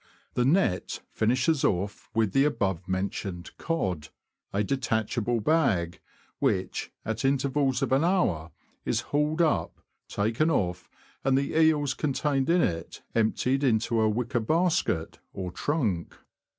The net finishes off with the above mentioned " cod," a detachable bag, which, at intervals of an hour, is hauled up, taken off, and the eels contained in it emptied into a wicker basket or trunk.